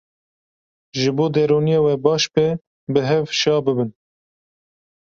Ji bo derûniya we baş be, bi hev şa bibin.